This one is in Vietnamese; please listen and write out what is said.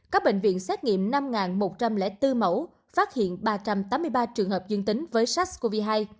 các bệnh viện xét nghiệm năm một trăm linh bốn mẫu phát hiện ba trăm tám mươi ba trường hợp dương tính với sars cov hai